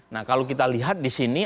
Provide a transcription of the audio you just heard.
nah kalau kita lihat di sini